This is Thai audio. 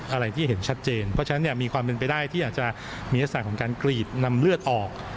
อะไรที่เห็นชัดเจนเพราะฉะนั้นมีความเป็นไปได้ที่อาจจะมีลักษณะของการกรีดนำเลือดออก